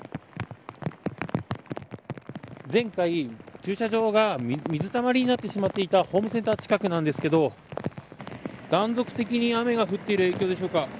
前回、駐車場が水たまりになってしまっていたホームセンター近くなんですけど断続的に雨が降っている影響でしょうか。